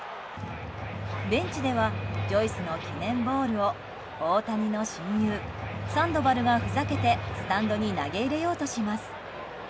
ベンチではジョイスの記念ボールを大谷の親友サンドバルがふざけてスタンドに投げ入れようとします。